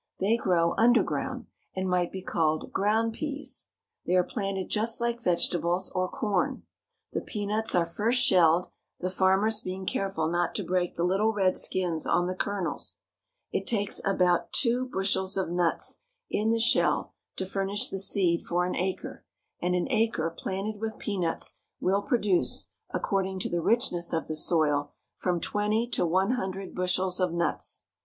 They grow underground, and might be called ground pease. They are planted just like vegetables or corn. The peanuts are first shelled, the farmers being careful not to break the little red skins on the ker nels. It takes about two bushels of nuts in the shell to furnish the seed for an acre, and an acre planted with peanuts will produce, according to the richness of the soil, from twenty to one hundred bushels of nuts.